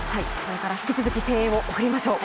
引き続き声援を送りましょう。